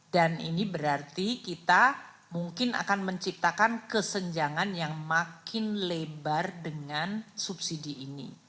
dan ini berarti kita mungkin akan menciptakan kesenjangan yang makin lebar dengan subsidi ini